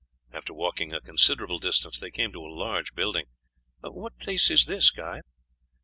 After walking a considerable distance they came to a large building. "What place is this, Guy?"